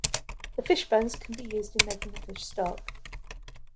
The fish bones can be used in making the fish stock.